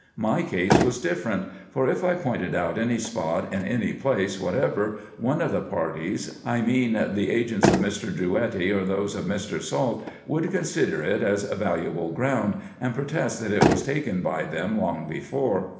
My case was different ; for if I pointed out any spot in any place whatever, one of the parties, I mean the agents of Mr. Drouetti or those of Mr. Salt, would consider it as valuable ground, and protest that it was taken by them long before.